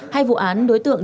hai vụ án đối tượng